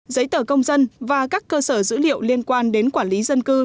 giấy tờ công dân và các cơ sở dữ liệu liên quan